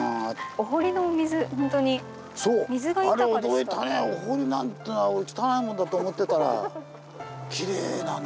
お堀なんてのは俺汚いもんだと思ってたらきれいなね。